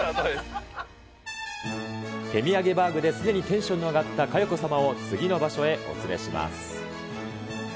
手土産バーグですでにテンションが上がった佳代子様を次の場所へお連れします。